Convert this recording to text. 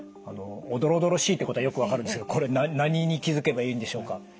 おどろおどろしいっていうことはよく分かるんですけどこれ何に気付けばいいんでしょうか？